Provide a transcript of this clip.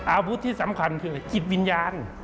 อาวุธที่สำคัญคือจิตวิญญาณ